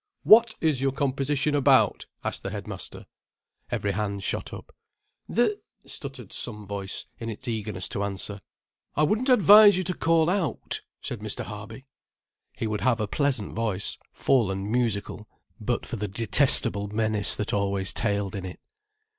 "What is your composition about?" asked the headmaster. Every hand shot up. "The ——" stuttered some voice in its eagerness to answer. "I wouldn't advise you to call out," said Mr. Harby. He would have a pleasant voice, full and musical, but for the detestable menace that always tailed in it.